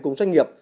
cùng doanh nghiệp